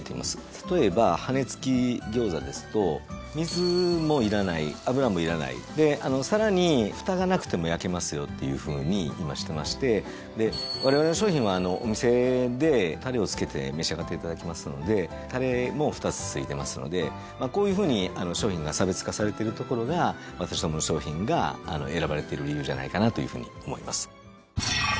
例えば「羽根つき餃子」ですと水もいらない油もいらないでさらにふたがなくても焼けますよっていうふうに今してましてでわれわれの商品はお店でたれを付けて召し上がっていただきますのでたれも２つ付いてますのでこういうふうに商品が差別化されてるところが私どもの商品が選ばれてる理由じゃないかなというふうに思います。